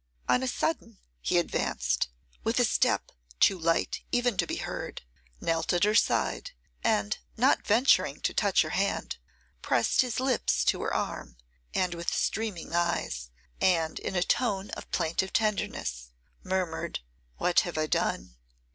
On a sudden he advanced, with a step too light even to be heard, knelt at her side, and, not venturing to touch her hand, pressed his lips to her arm, and with streaming eyes, and in a tone of plaintive tenderness, murmured, 'What have I done?